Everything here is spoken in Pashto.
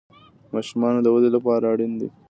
د ماشومانو د ودې لپاره اړین دي.